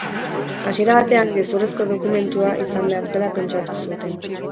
Hasiera batean, gezurrezko dokumentua izan behar zela pentsatu zuten.